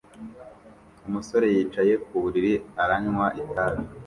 Umusore yicaye ku buriri aranywa itabi